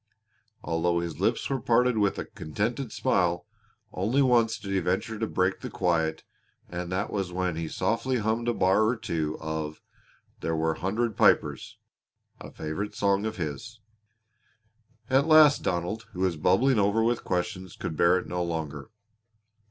Although his lips were parted with a contented smile, only once did he venture to break the quiet and that was when he softly hummed a bar or two of "There Were Hundred Pipers" a favorite song of his. At last Donald, who was bubbling over with questions, could bear it no longer.